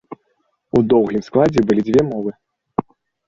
У доўгім складзе былі дзве моры.